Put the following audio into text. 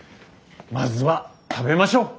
まずは食べましょう。